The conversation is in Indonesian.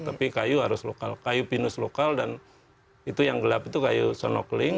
tapi kayu harus lokal kayu pinus lokal dan itu yang gelap itu kayu sonokling